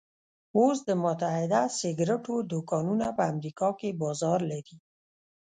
اوس د متحده سګرېټو دوکانونه په امريکا کې بازار لري.